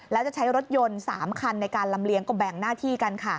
แล้วจะใช้รถยนต์๓คันในการลำเลียงก็แบ่งหน้าที่กันค่ะ